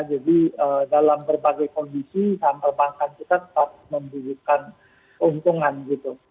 jadi dalam berbagai kondisi saham perbankan juga tetap membutuhkan untungan gitu